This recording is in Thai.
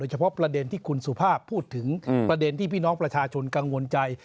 เฉพาะประเด็นที่คุณสุภาพพูดถึงประเด็นที่พี่น้องประชาชนกังวลใจ